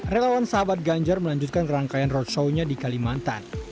relawan sahabat ganjar melanjutkan rangkaian roadshow nya di kalimantan